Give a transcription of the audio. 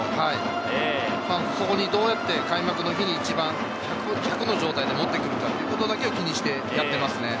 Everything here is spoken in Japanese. そこにどうやって開幕の日に百の状態で持っていくかということだけを気にしてやっています。